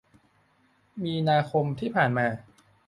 มีนาคมที่ผ่านมา